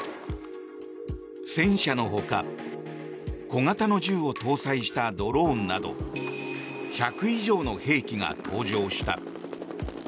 戦車の他小型の銃を搭載したドローンなど１００以上の兵器が登場した。